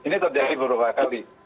ini terjadi beberapa kali